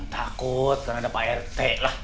takut karena ada pak rt lah